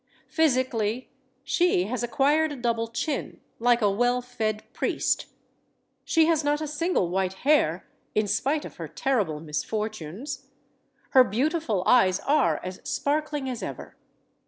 Physically, she has acquired a double chin, like a well fed priest. She has not a single white hair, in spite of her terrible misfortunes. Her beautiful eyes are as sparkling as ever.